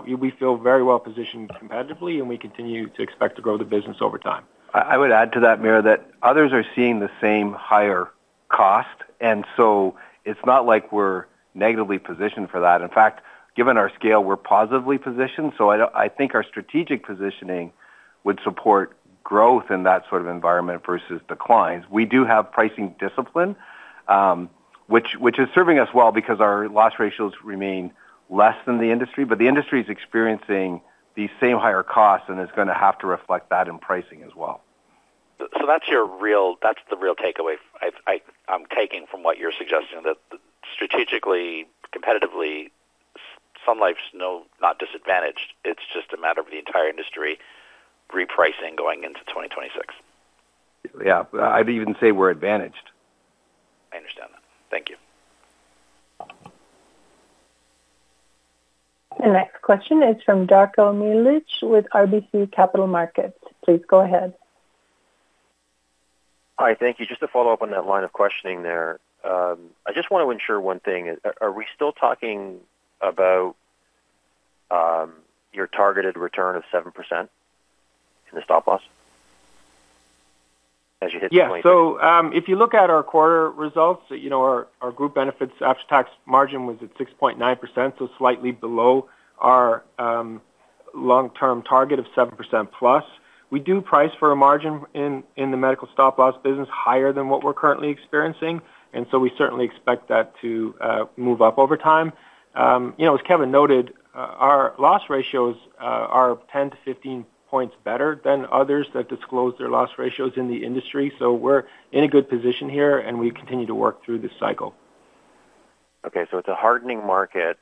we feel very well positioned competitively, and we continue to expect to grow the business over time. I would add to that mirror that others are seeing the same higher cost. It is not like we are negatively positioned for that. In fact, given our scale, we are positively positioned. I think our strategic positioning would support growth in that sort of environment versus declines. We do have pricing discipline. Which is. Serving us well because our loss ratios remain less than the industry. The industry is experiencing these same higher costs and is going to have to reflect that in pricing as well. That's your real, that's the real takeaway I'm taking from what you're suggesting, that strategically, competitively, Sun Life's not disadvantaged. It's just a matter of the entire industry repricing going into 2026. Yeah, I'd even say we're advantaged. I understand that. Thank you. The next question is from Darko Mihelic with RBC Capital Markets. Please go ahead. Hi, thank you. Just to follow up on that line. Of questioning there, I just want to ensure one thing. Are we still talking about your targeted return of 7% in the stop loss as you hit? If you look at our quarter results, our group benefits after tax margin was at 6.9%, so slightly below our long term target of 7%+. We do price for a margin in the medical stop loss business higher than what we are currently experiencing, and we certainly expect that to move up over time. You know, as Kevin noted, our loss ratios are 10 points-15 points better than others that disclose their loss ratios in the industry. We are in a good position here and we continue to work through this cycle. Okay, so it's a hardening market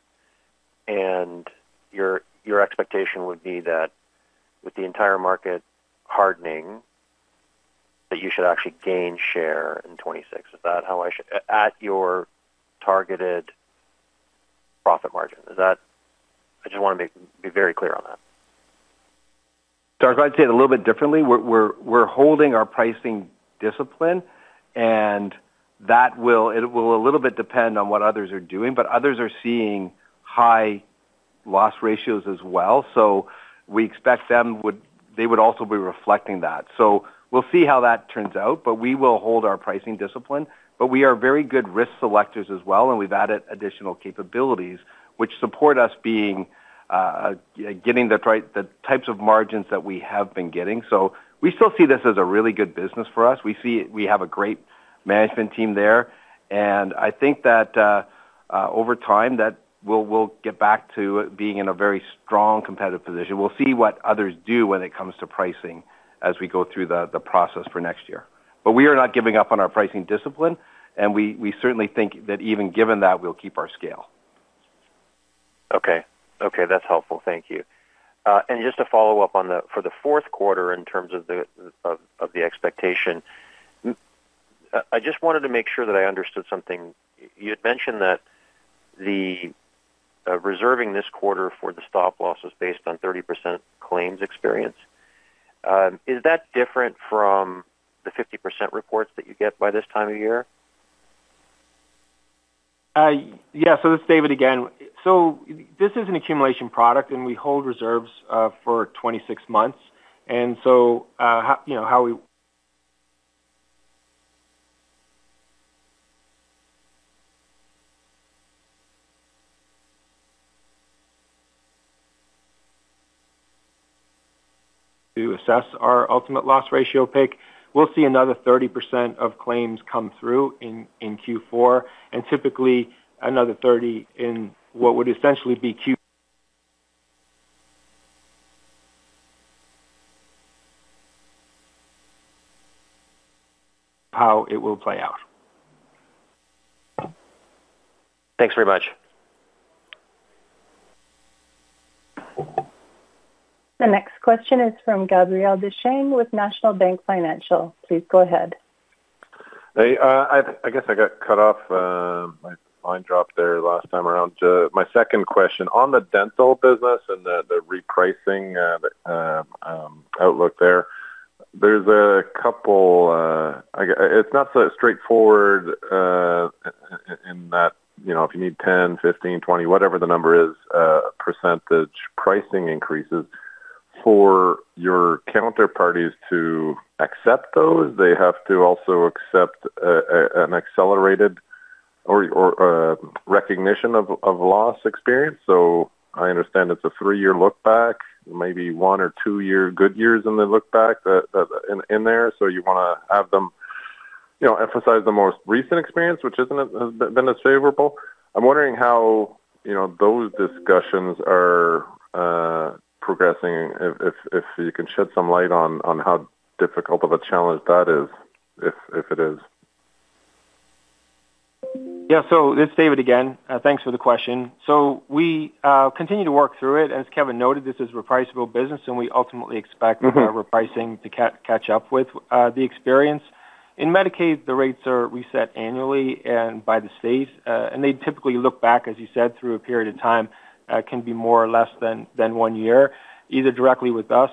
and your expectation would be that with the entire market hardening that you should actually gain share in 2026. Is that how I should at your targeted profit margin? Is that? I just want to be very clear on that. Darko. I'd say it a little bit differently. We're holding our pricing discipline and that will. It will a little bit depend on what others are doing. Others are seeing high loss ratios as well. We expect they would also be reflecting that. We'll see how that turns out. We will hold our pricing discipline. We are very good risk selectors as well and we've added additional capabilities which support us getting the right types of margins that we have been getting. We still see this as a really good business for us. We see we have a great management team there and I think that over time we'll get back to being in a very strong competitive position. We'll see what others do when it comes to pricing as we go through the process for next year. We are not giving up on our pricing discipline and we certainly think that even given that we'll keep our scale. Okay, okay, that's helpful. Thank you. Just to follow up on the fourth quarter in terms of the expectation, I just wanted to make sure that I understood something. You had mentioned that the reserving this quarter for the stop loss was based on 30% claims experience. Is that different from the 50% reports that you get by this time of year? Yes. This is David again. This is an accumulation product and we hold reserves for 26 months. You know how we. To. Assess our ultimate loss ratio pick. We'll see another 30% of claims come through in Q4 and typically another 30% in what would essentially be Q1, how it will play out. Thanks very much. The next question is from Gabriel Dechaine with National Bank Financial. Please go ahead. I guess I got cut off, my line dropped there last time around. My second question on the dental business and the repricing outlook there, there's a couple. It's not so straightforward in that, you know, if you need 10%, 15%, 20%, whatever the number is, percentage pricing increases for your counterparties to accept those, they have to also accept an accelerated or recognition of loss experience. I understand it's a three-year look back, maybe one or two good years in the look back in there. You want to have them, you know, emphasize the most recent experience which hasn't been as favorable. I'm wondering how you know those discussions are progressing, if you can shed some light on how difficult of a challenge that is. If it is. Yeah. So it's David again, thanks for the question. We continue to work through it. As Kevin noted, this is repriceable business and we ultimately expect to catch up with the experience. In Medicaid the rates are reset annually by the state and they typically look back, as you said, through a period of time, can be more or less than one year, either directly with us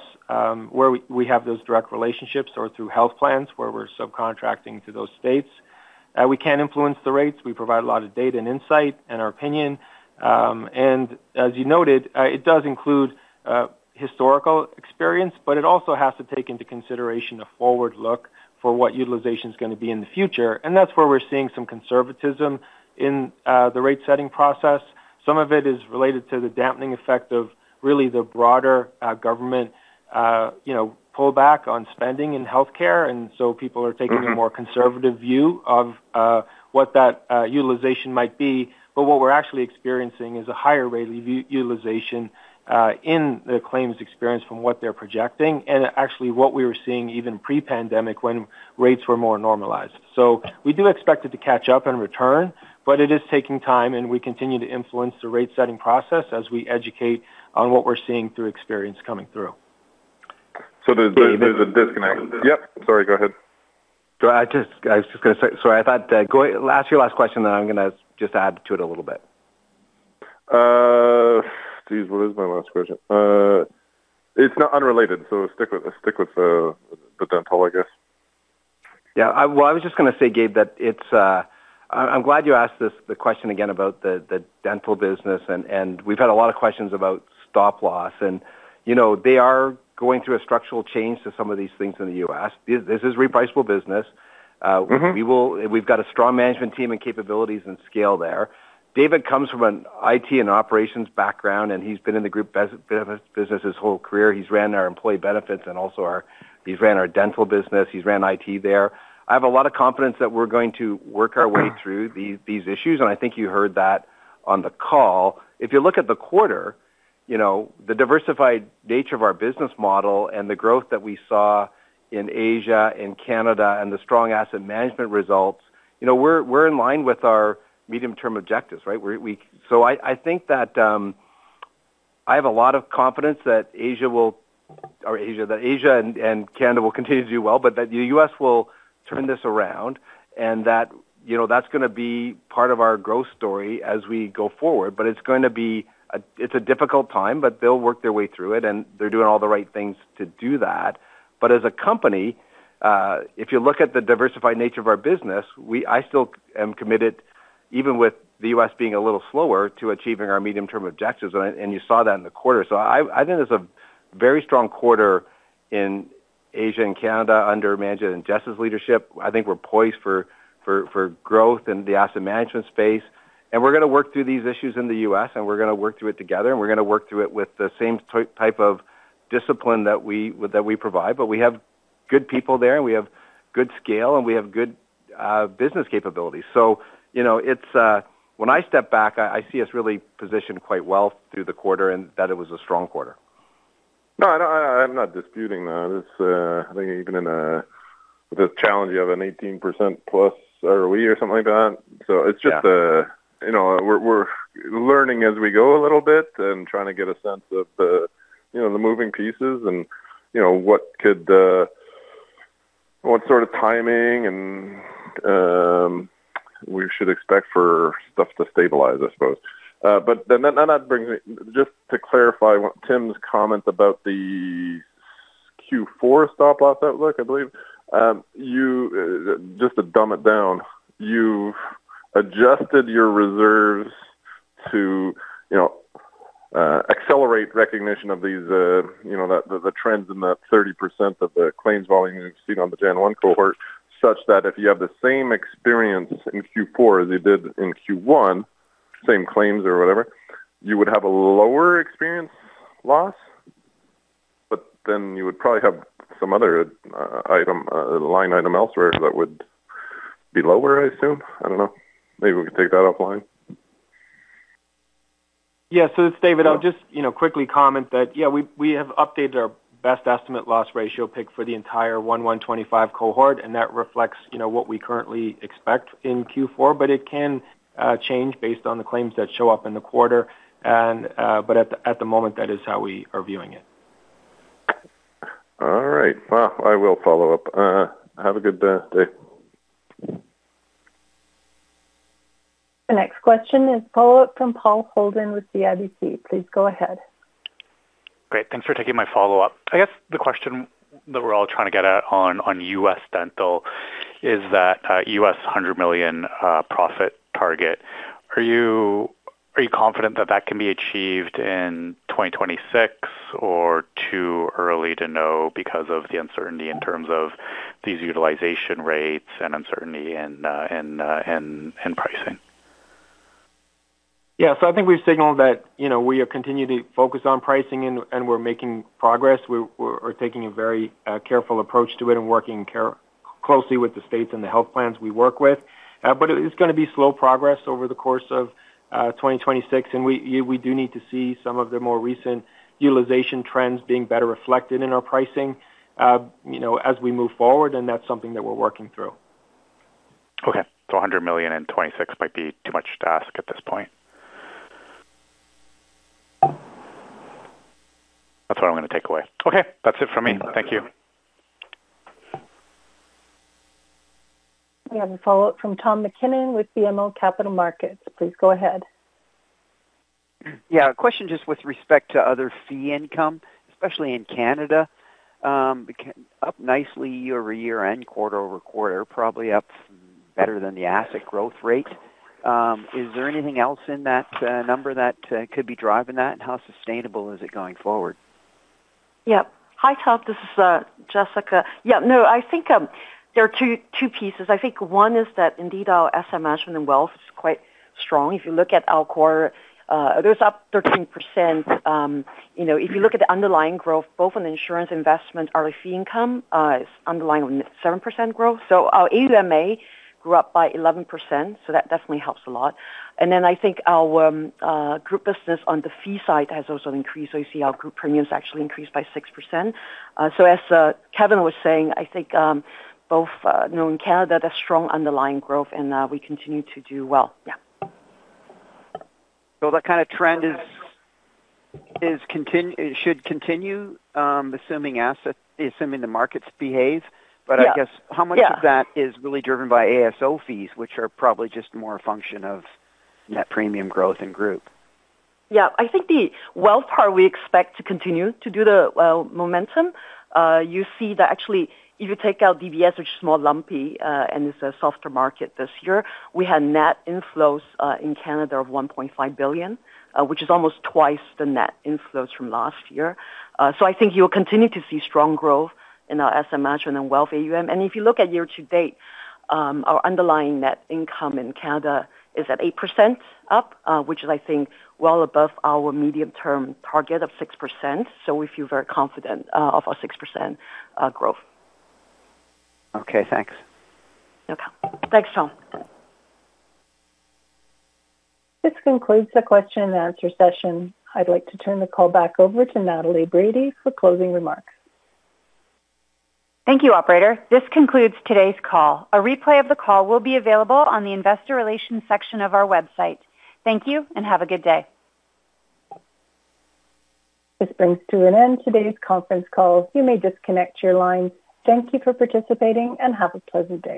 where we have those direct relationships or through health plans where we're subcontracting to those states, we can influence the rates. We provide a lot of data and insight and our opinion, and as you noted, it does include historical experience, but it also has to take into consideration a forward look for what utilization is going to be in the future. That is where we're seeing some conservatism in the rate setting process. Some of it is related to the dampening effect of really the broader government, you know, pullback on spending in healthcare. You know, people are taking a more conservative view of what that utilization might be. What we are actually experiencing is a higher rate of utilization in the claims experience from what they are projecting and actually what we were seeing even pre pandemic when rates were more normalized. We do expect it to catch up and return, but it is taking time and we continue to influence the rate setting process as we educate on what we are seeing through experience coming through. David, disconnect. Yep, sorry, go ahead. I was just going to say. Sorry, I thought ask your last question then I'm going to just add to. It a little bit. Geez, what is my last question? It's not unrelated. Stick with, stick with the dental I guess. Yeah, I was just going to say, Gabe, that it's, I'm glad you asked the question again about the dental business, and we've had a lot of questions about stop loss, and you know, they are going through a structural change to some of these things in the U.S. This is repriceable business. We've got a strong management team and capabilities and scale there. David comes from an IT and operations background, and he's been in the group business his whole career. He's ran our employee benefits and also our, he's ran our dental business. He's ran it there. I have a lot of confidence that we're going to work our way through these issues, and I think you heard that on the call. If you look at the quarter, you know, the diversified nature of our business model and the growth that we saw in Asia, in Canada and the strong asset management results, you know, we are in line with our medium term objectives. Right. I think that I have a lot of confidence that Asia will, or Asia, that Asia and Canada will continue to do well but that the U.S. will turn this around and that, you know, that is going to be part of our growth story as we go forward. It is going to be, it is a difficult time but they will work their way through it and they are doing all the right things to do that. As a company, if you look at the diversified nature of our business, I still am committed even with the U.S. being a little slower to achieving our medium term objectives and you saw that in the quarter. I think there is a very strong quarter in Asia and Canada under management and just its leadership. I think we are poised for growth in the asset management space and we are going to work through these issues in the U.S. and we are going to work through it together and we are going to work through it with the same type of discipline that we provide. We have good people there and we have good scale and we have good business capabilities. You know, when I step back I see us really positioned quite well through the quarter and that is it. Was a strong quarter. No, I'm not disputing that. It's, I think even in a challenge you have an 18%+ ROE or something like that. It's just, you know, we're learning as we go a little bit and trying to get a sense of the, you know, the moving pieces and you know, what could, what sort of timing we should expect for stuff to stabilize, I suppose. That brings me just to clarify Tim's comment about the Q4 stop loss outlook. I believe you, just to dumb it down, you adjusted your reserves to, you know, accelerate recognition of these, you know, the trends in that 30% of the claims volume you've seen on the January 1 cohort, such that if you have the same experience in Q4 as you did in Q1, same claims or whatever, you would have a lower experience loss, but then you would probably have some other item, line item elsewhere that would, I assume, I do not know, maybe we can take that offline. Yes, David, I'll just quickly comment that yeah, we have updated our best estimate loss ratio pick for the entire 01/01/2025 cohort and that reflects what we currently expect in Q4. It can change based on the claims that show up in the quarter. At the moment that is how we are viewing it. All right, I will follow up. Have a good day. The next question is a follow-up from Paul Holden with CIBC. Please go ahead. Great. Thanks for taking my follow up. I guess the question that we're all trying to get at on U.S. dental. Is that $100 million profit target? Are you confident that that can be achieved in 2026 or too early to know because of the uncertainty in these utilization rates and uncertainty in pricing? Yeah, so I think we've signaled that, you know, we continue to focus on pricing and we're making progress. We're taking a very careful approach to it and working closely with the states and the health plans we work with. It is going to be slow progress over the course of 2026. We do need to see some of the more recent utilization trends being better reflected in our pricing, you know, as we move forward. That is something that we're working through. Okay, so $100 million and $26 million. Be too much to ask at this point. That's what I'm going to take away. Okay, that's it for me. Thank you. We have a follow up from Tom MacKinnon with BMO Capital Markets. Please go ahead. Yeah, a question just with respect to other fee income, especially in Canada, up nicely year-over-year and quarter-over-quarter, probably up better than the asset growth rate. Is there anything else in that number that could be driving that and how sustainable is it going forward? Yeah, hi Todd, this is Jessica. Yeah, no, I think there are two pieces. I think one is that indeed our asset management and wealth is quite strong. If you look at Alcor, it was up 13%. If you look at the underlying growth both on insurance investment, our fee income is underlying 7% growth. Our AUM grew up by 11%. That definitely helps a lot. I think our group business on the fee side has also increased. You see our group premiums actually increased by 6%. As Kevin was saying, I think both know in Canada there is strong underlying growth and we continue to do well. Yeah, that kind of trend should continue assuming asset, assuming the markets behave. I guess how much of that is really driven by ASO fees which are probably just more a function of net premium growth in group. Yeah, I think the wealth part we expect to continue to do the momentum. You see that actually if you take out DBS which is more lumpy and it's a softer market. This year we had net inflows in Canada of 1.5 billion which is almost twice the net inflows from last year. I think you will continue to see strong growth in our asset management and wealth AUM. If you look at year to date, our underlying net income in Canada is at 8% up which is, I think, well above our medium term target of 6%. We feel very confident of our 6% growth. Okay, thanks. Okay, thanks Tom. This concludes the question and answer session. I'd like to turn the call back over to Natalie Brady for closing remarks. Thank you, operator. This concludes today's call. A replay of the call will be available on the investor relations section of our website. Thank you and have a good day. This brings to an end today's conference call. You may disconnect your lines. Thank you for participating and have a pleasant day.